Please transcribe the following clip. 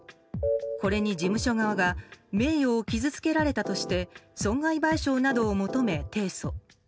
これに事務所側が名誉を傷つけられたとして損害賠償などを求め提訴。